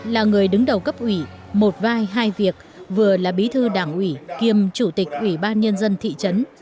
là người đứng đầu cấp ủy một vai hai việc vừa là bí thư đảng ủy kiêm chủ tịch ủy ban nhân dân thị trấn